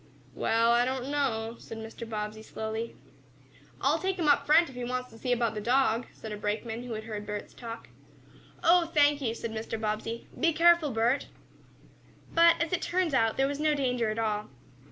"Well, I don't know," said Mr. Bobbsey, slowly. "I'll take him up front, if he wants to see about the dog," said a brakeman who had heard Bert's talk. "Oh, thank you," said Mr. Bobbsey. "Be careful, Bert." But, as it turned out, there was no danger at all.